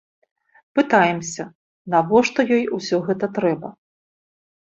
Пытаемся, навошта ёй ўсё гэта трэба?